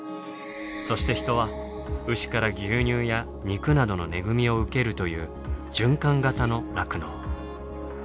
そしてヒトは牛から牛乳や肉などの恵みを受けるという循環型の酪農。